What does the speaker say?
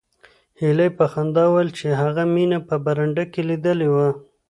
هیلې په خندا وویل چې هغه مینه په برنډه کې لیدلې وه